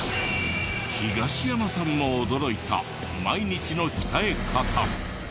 東山さんも驚いた毎日の鍛え方。